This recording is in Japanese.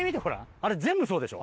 あれ全部そうでしょ？